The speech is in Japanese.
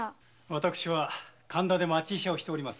私は神田で町医者をしております